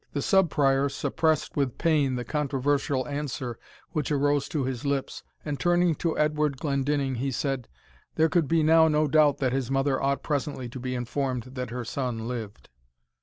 The Sub Prior suppressed with pain the controversial answer which arose to his lips, and, turning to Edward Glendinning, he said, "there could be now no doubt that his mother ought presently to be informed that her son lived."